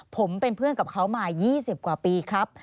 ผมเป็นเพื่อนกับเขามา๒๐กว่าปีครับ